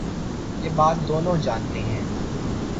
یہ بات دونوں جا نتے ہیں۔